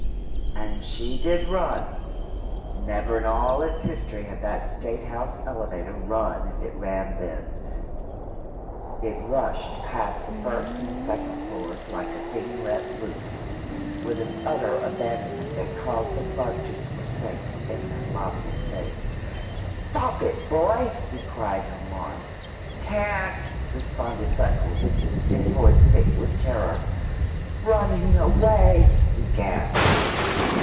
And she did run. Never in all its history had that State house elevator run as it ran then. It rushed past the first and second floors like a thing let loose, with an utter abandonment that caused the blood to forsake the eminent lobbyist's face. "Stop it, boy!" he cried in alarm. "Can't!" responded Freckles, his voice thick with terror. "Running away!" he gasped.